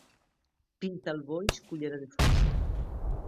Pinta el boix, cullera de fusta.